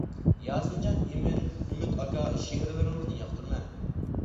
ياسىنجان ئىمىن ئۈمىد ئاكا، شېئىرلىرىڭىزنى ياقتۇرىمەن.